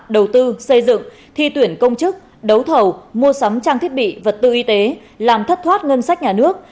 đầu tư xây dựng thi tuyển công chức đấu thầu mua sắm trang thiết bị vật tư y tế làm thất thoát ngân sách nhà nước